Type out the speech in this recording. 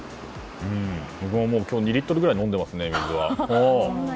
僕も今日、２リットルぐらい飲んでますね、水は。